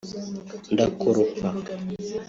ndakoropa